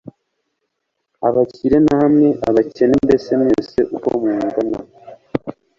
abakire namwe abakene mbese mwese uko mungana